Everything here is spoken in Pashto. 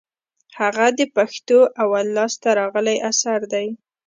هغه د پښتو اول لاس ته راغلى اثر دئ.